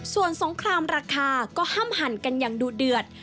ส่วนสงครามราคาก็ห้ามหั่นกันอย่างดูเดือด